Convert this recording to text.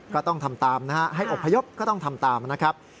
ก็ต้องทำตามนะฮะให้อบพยพก็ต้องทำตามนะครับ